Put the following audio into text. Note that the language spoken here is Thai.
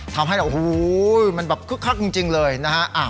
ทำให้โอ้โหมันแบบคึกคักจริงเลยนะฮะ